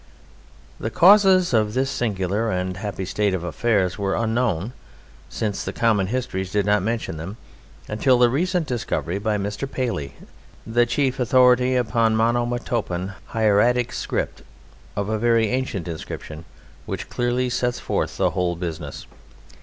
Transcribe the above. The causes of this singular and happy state of affairs were unknown (since the common histories did not mention them) until the recent discovery by Mr. Paley, the chief authority upon Monomotopan hieratic script, of a very ancient inscription which clearly sets forth the whole business.